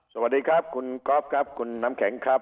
สวัสดีครับคุณก๊อฟครับคุณน้ำแข็งครับ